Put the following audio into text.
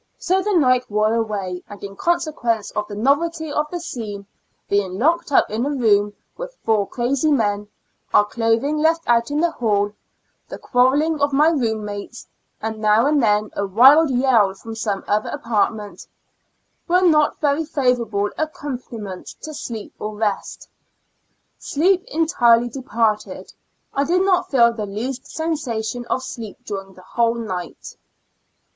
So the night wore away, and in consequence of the novelty of the scene, being locked IN A L UNA TIG ASTL UM. 4 Q up in a room with four crazy men, our clothing left out in the hall, the quarreling of my room mates, with now and then a wild yell from some other apartment, were not very favorable accompaniments to sleep or rest. Sleep entirely departed ; I did not feel the least sensation of sleep during the whole night.